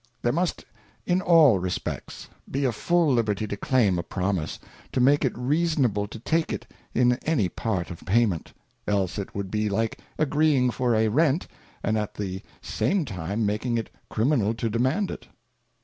There must in all respects be a full liberty to claim a Promise, to make it reasonable to take it in any part of payment ; else it would be like agreeing for a Rent, and at the same time making it criminal to demand it.